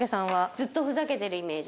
ずっとふざけてるイメージ。